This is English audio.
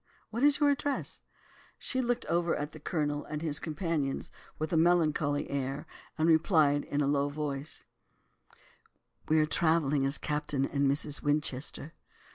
What is your address?' She looked over at the Colonel and his companions with a melancholy air, and replied in a low voice, 'We are travelling as "Captain and Mrs. Winchester."